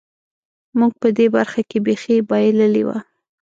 موږ په دې برخه کې بېخي بایللې وه.